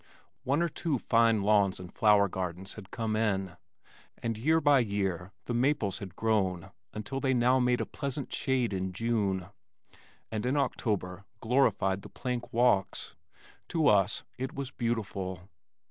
One or two fine lawns and flower gardens had come in, and year by year the maples had grown until they now made a pleasant shade in June, and in October glorified the plank walks. To us it was beautiful.